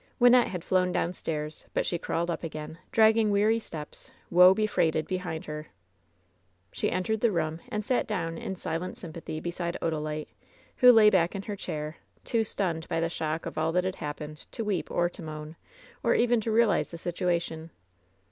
Wynnette had flown downstairs, but she crawled up again, dragging weary steps, "woe befreighted," behind her. 16 WHEN SHADOWS DIE She entered the room, and sat down in silent sympathy beside Odalite, who lay back in her chair, too stunned by the shock of all that had happened to weep or to moan, or even to realize the situation.